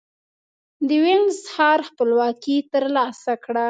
د وينز ښار خپلواکي ترلاسه کړه.